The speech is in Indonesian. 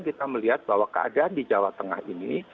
kita melihat bahwa keadaan di jawa tengah ini